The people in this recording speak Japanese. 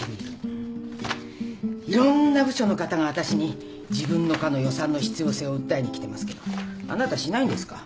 いろんな部署の方が私に自分の課の予算の必要性を訴えに来てますけどあなたしないんですか？